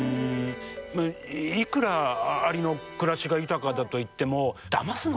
いくらアリの暮らしが豊かだといってもだますのはでもどうなのかな？